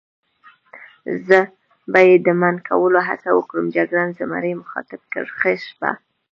زه به یې د منع کولو هڅه وکړم، جګړن زمري مخاطب کړ: ښه شپه.